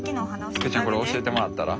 クーちゃんこれ教えてもらったら？